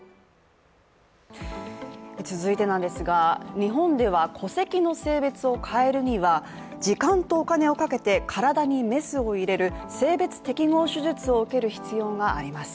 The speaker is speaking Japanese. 続いてなんですが、日本では戸籍の性別を変えるには時間とお金をかけて体にメスを入れる性別適合手術を受ける必要があります。